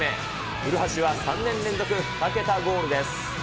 古橋は３年連続２桁ゴールです。